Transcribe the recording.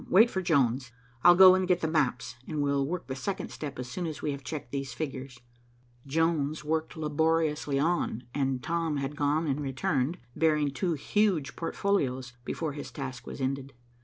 "Wait for Jones. I'll go and get the maps, and we'll work the second step as soon as we have checked these figures." Jones worked laboriously on, and Tom had gone and returned, bearing two huge portfolios, before his task was ended.